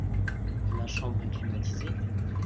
La chambre est climatisée ?